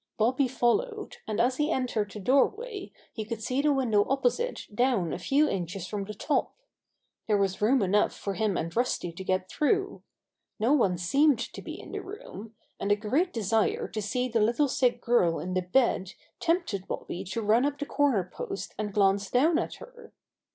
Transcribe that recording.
Bobby followed, and as he entered the doorway he could see the window opposite down a few inches from the top. There was room enough for him and Rusty to get through. No one seemed to be in the 28 Bobby Gray Squirrers Adventures room, and a great desire to see the little sick girl in the bed tempted Bobby to run up the corner post and glance down at her.